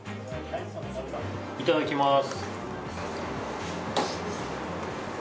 いただきます。